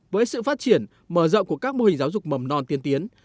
với sự phát triển mở rộng của các mô hình giáo dục mầm non tiên tiến